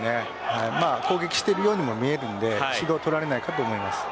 攻撃しているようにも見えるので指導は取られないと思います。